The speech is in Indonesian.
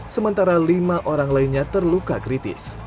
sementara lima orang lainnya terluka kritis